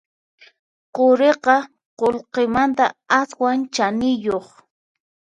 Quriqa qullqimanta aswan chaniyuq